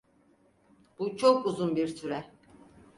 Bu çok uzun bir süre.